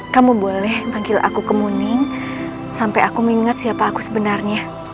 kamu boleh panggil aku kemuning sampai aku mengingat siapa aku sebenarnya